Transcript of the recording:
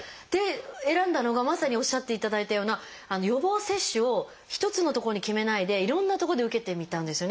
で選んだのがまさにおっしゃっていただいたような予防接種を一つの所に決めないでいろんな所で受けてみたんですよね。